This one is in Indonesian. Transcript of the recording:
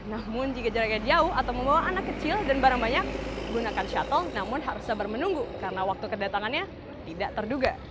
namun jika jaraknya jauh atau membawa anak kecil dan barang banyak gunakan shuttle namun harus sabar menunggu karena waktu kedatangannya tidak terduga